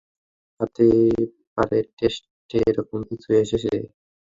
হতে পারে টেস্টে এরকম কিছু এসেছে।